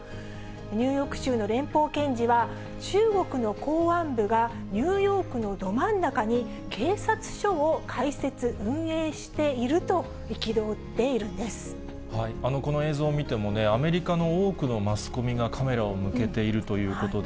ニューヨーク州の連邦検事は、中国の公安部がニューヨークのど真ん中に警察署を開設・運営してこの映像を見てもね、アメリカの多くのマスコミがカメラを向けているということで、